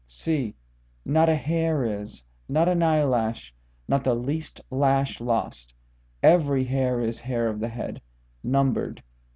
See; not a hair is, not an eyelash, not the least lash lost; every hairIs, hair of the head, numbered.